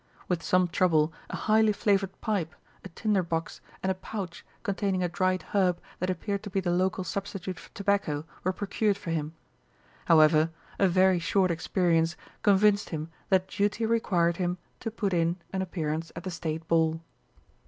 With some trouble a highly flavoured pipe, a tinder box, and a pouch containing a dried herb that appeared to be the local substitute for tobacco were procured for him. However, a very short experience convinced him that duty required him to put in an appearance at the State Ball.